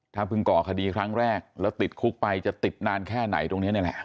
ถ้าเพิ่งก่อคดีครั้งแรกแล้วติดคุกไปจะติดนานแค่ไหนตรงนี้นี่แหละ